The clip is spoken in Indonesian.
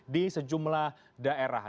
di sejumlah daerah